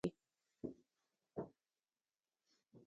لکه غاړکۍ، جرابې او لاسبند ښخ شوي